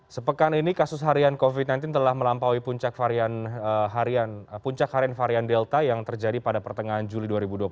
sepekan ini kasus harian covid sembilan belas telah melampaui puncak harian varian delta yang terjadi pada pertengahan juli dua ribu dua puluh satu